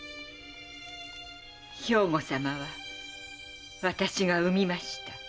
兵庫様は私が産みました。